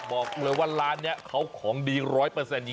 บอกเลยว่าร้านนี้เขาของดี